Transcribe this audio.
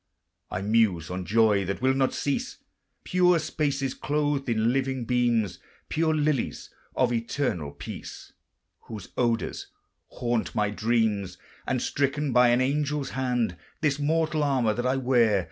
I muse on joy that will not cease, Pure spaces clothed in living beams, Pure lilies of eternal peace, Whose odors haunt my dreams; And, stricken by an angel's hand, This mortal armor that I wear.